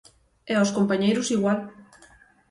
E aos compañeiros igual.